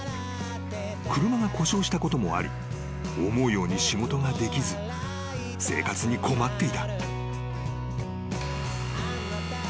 ［車が故障したこともあり思うように仕事ができず生活に困っていた］